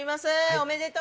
おめでとう！